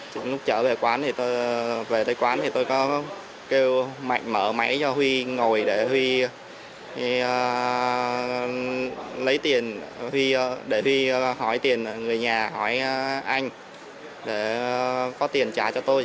trước lúc trở về quán tôi kêu mạnh mở máy cho huy ngồi để huy lấy tiền để huy hỏi tiền người nhà hỏi anh